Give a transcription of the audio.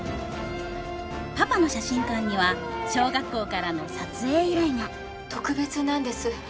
パパの写真館には小学校からの撮影依頼が特別なんです